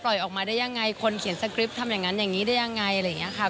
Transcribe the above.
ออกมาได้ยังไงคนเขียนสคริปต์ทำอย่างนั้นอย่างนี้ได้ยังไงอะไรอย่างนี้ค่ะ